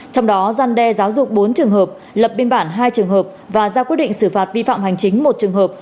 trong đó gian đe giáo dục bốn trường hợp lập biên bản hai trường hợp và ra quyết định xử phạt vi phạm hành chính một trường hợp